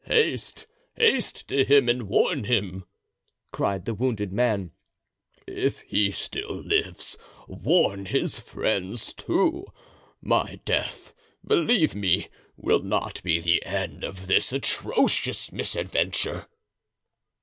"Haste! haste to him and warn him," cried the wounded man, "if he still lives; warn his friends, too. My death, believe me, will not be the end of this atrocious misadventure."